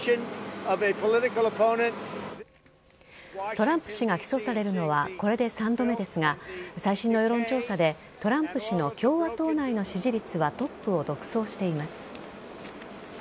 トランプ氏が起訴されるのはこれで３度目ですが最新の世論調査でトランプ氏の共和党内の支持率はトップを独走しています。